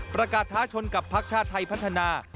ประกาศท้าชนกับภักดิ์ชาติไทยพัฒนา